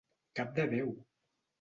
Cap de Déu!